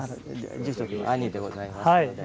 住職の兄でございますので。